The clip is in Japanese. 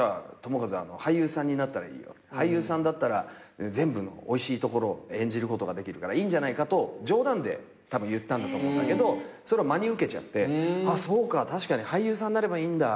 「俳優さんだったら全部のおいしいところを演じることができるからいいんじゃないか」と冗談でたぶん言ったんだと思うけどそれを真に受けちゃってそうか確かに俳優さんになればいいんだって。